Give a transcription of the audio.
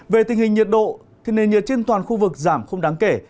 về tình hình nhiệt độ thì nền nhiệt trên toàn khu vực giảm không đáng kể